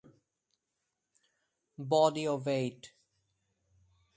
Body ovate.